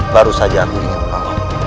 baru saja aku ingin menolong